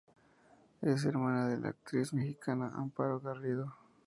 Es hermana de la actriz mexicana Amparo Garrido.